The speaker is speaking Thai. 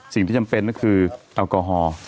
สิ่งที่จำเป็นก็คือแอลกอฮอล์